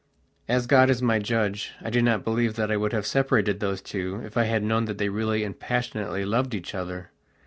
As God is my Judge, I do not believe that I would have separated those two if I had known that they really and passionately loved each other.